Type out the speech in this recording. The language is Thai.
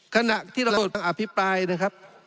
ขณะที่เราโดนอภิปายนะครับ